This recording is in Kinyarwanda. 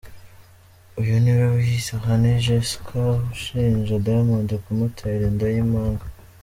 Uyu niwe wiyita Honey Jesca ushinja Diamond kumutera inda y’impanga